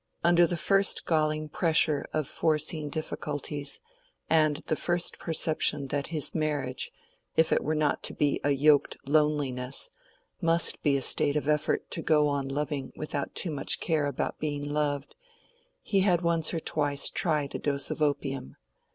Under the first galling pressure of foreseen difficulties, and the first perception that his marriage, if it were not to be a yoked loneliness, must be a state of effort to go on loving without too much care about being loved, he had once or twice tried a dose of opium.